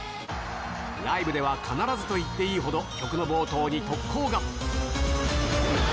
ライブでは必ずといっていいほど、曲の冒頭に特効が。